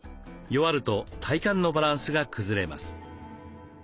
弱ると体幹のバランスが崩れます。